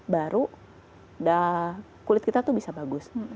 baru kulit kita tuh bisa bagus